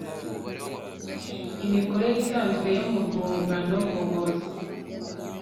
Imikorere isanzwe yo mu rwungano ngogozi